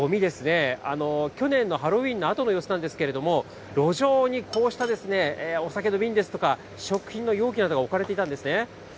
これ、去年のハロウィーンのあとの様子なんですけれども、路上にこうしたお酒の瓶ですとか、食品の容器などが置かれていたんですね。